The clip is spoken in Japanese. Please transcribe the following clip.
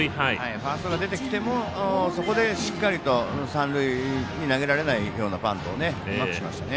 ファーストが出てきてもそこでしっかりと三塁に投げられないようなバントうまくしましたね。